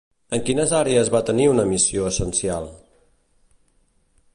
En quines àrees va tenir una missió essencial?